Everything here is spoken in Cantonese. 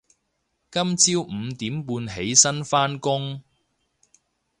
今朝五點半起身返工